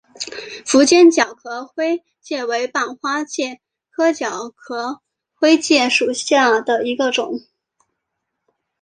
符坚角壳灰介为半花介科角壳灰介属下的一个种。